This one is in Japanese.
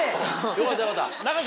よかったよかった。